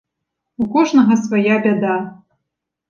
У кожнага свая бяда.